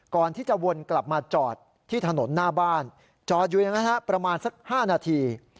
ก่อนที่จะวนกลับมาจอดที่ถนนหน้าบ้านจอดอยู่อย่างนั้นประมาณสัก๕นาที